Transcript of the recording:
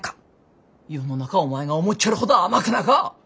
世の中お前が思っちょるほど甘くなか。